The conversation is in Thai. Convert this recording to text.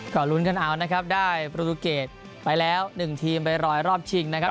ก็ลุ้นกันเอานะครับได้ประตูเกตไปแล้ว๑ทีมไปรอรอบชิงนะครับ